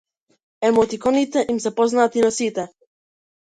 Емотиконите им се познати на сите.